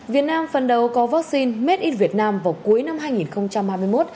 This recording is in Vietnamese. việt nam phần đầu có vaccine made in vietnam vào cuối năm hai nghìn hai mươi một